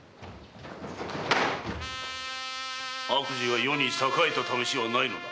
悪事が世に栄えたためしはないのだ。